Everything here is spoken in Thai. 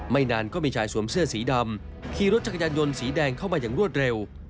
นานก็มีชายสวมเสื้อสีดำขี่รถจักรยานยนต์สีแดงเข้ามาอย่างรวดเร็ว